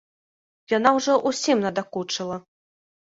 Яна ужо ўсім надакучыла.